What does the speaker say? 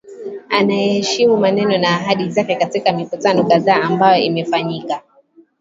anaeheshimu maneno na ahadi zake katika mikutano kadhaa ambayo imefanyika